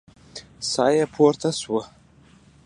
ساه يې پورته شوه.